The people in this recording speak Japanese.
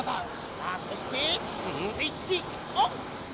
さあそしてスイッチオン！